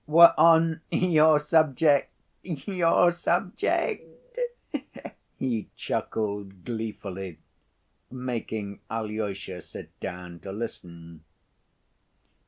"We're on your subject, your subject," he chuckled gleefully, making Alyosha sit down to listen.